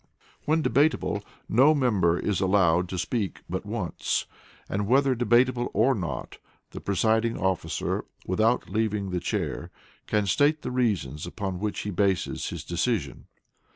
When debatable, no member is allowed to speak but once, and whether debatable or not, the presiding officer, without leaving the Chair, can state the reasons upon which he bases his decision.